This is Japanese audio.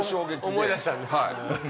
思い出したんだ。